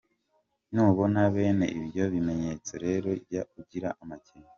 Nubona bene ibyo bimenyetso rero jya ugira amakenga.